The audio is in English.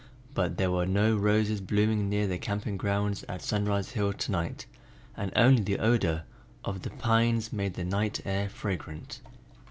But there were no roses blooming near their camping grounds at Sunrise Hill to night and only the odor of the pines made the night air fragrant.